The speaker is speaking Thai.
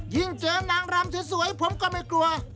เจอนางรำสวยผมก็ไม่กลัว